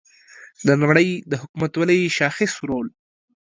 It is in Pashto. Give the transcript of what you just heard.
د نړۍ د حکومتولۍ شاخص رول